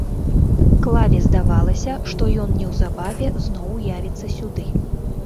Клаве здавалася, што ён неўзабаве зноў явіцца сюды.